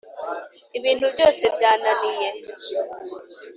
ibintu byose byananiye